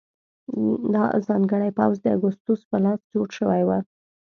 دا ځانګړی پوځ د اګوستوس په لاس جوړ شوی و.